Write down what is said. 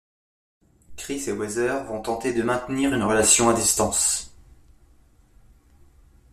Chris et Heather vont tenter de maintenir une relation à distance.